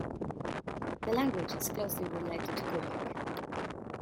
The language is closely related to Kumyk.